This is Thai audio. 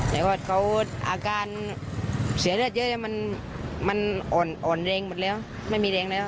แต่ว่าเขาอาการเสียเลือดเยอะมันอ่อนแรงหมดแล้วไม่มีแรงแล้ว